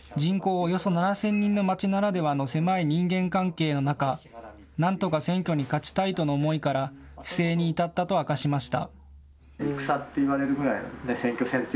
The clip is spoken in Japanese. およそ７０００人の町ならではの狭い人間関係の中、なんとか選挙に勝ちたいとの思いから不正に至ったと明かしました。